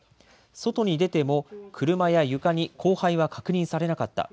外に出ても車や床に降灰は確認されなかった。